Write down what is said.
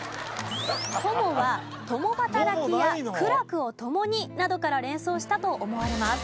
「共」は「共働き」や「苦楽を共に」などから連想したと思われます。